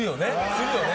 するよね！